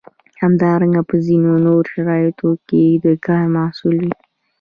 همدارنګه په ځینو نورو شرایطو کې د کار محصول وي.